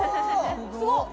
すごっ！